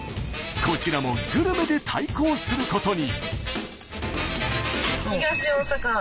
こちらもグルメで対抗することに。